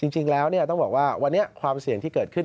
จริงแล้วต้องบอกว่าวันนี้ความเสี่ยงที่เกิดขึ้น